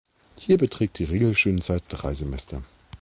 Hier beträgt die Regelstudienzeit drei Semester.